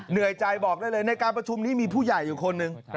เหนื่อยใจบอกได้เลยในการประชุมนี้มีผู้ใหญ่อยู่คนหนึ่ง